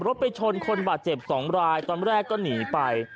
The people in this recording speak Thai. ไปชนคนบาดเจ็บ๒รายตอนแรกก็หนีไป